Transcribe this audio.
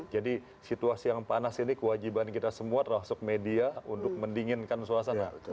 jadi situasi yang panas ini kewajiban kita semua terasuk media untuk mendinginkan suasana